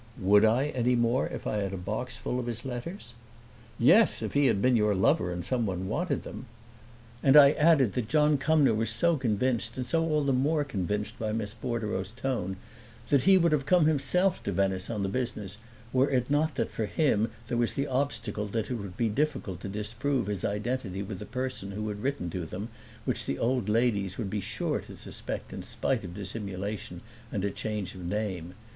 "Would I, any more, if I had a box full of his letters?" "Yes, if he had been your lover and someone wanted them!" And I added that John Cumnor was so convinced, and so all the more convinced by Miss Bordereau's tone, that he would have come himself to Venice on the business were it not that for him there was the obstacle that it would be difficult to disprove his identity with the person who had written to them, which the old ladies would be sure to suspect in spite of dissimulation and a change of name.